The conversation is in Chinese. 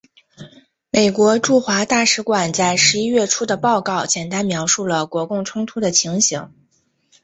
美国驻华大使馆在十一月初的报告简单描述了国共冲突的情形。